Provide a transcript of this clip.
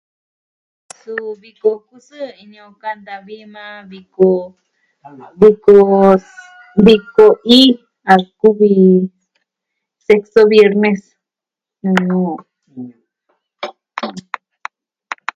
Suu viko kusɨɨ ini o kanta vi maa viko, maa viko... viko iin a kuvi sexto viernes.